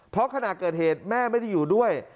เพราะขณะเกิดเหตุแม่ไม่ได้อยู่ด้วย